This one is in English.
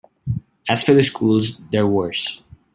As for the schools, they're worse.